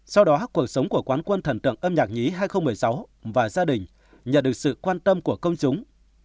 sau đó cuộc sống của quán quân thần tượng âm nhạc nhí hai nghìn một mươi sáu và gia đình nhận được sự quan tâm của công chúng